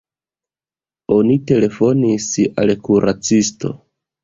Oni telefonis al kuracisto.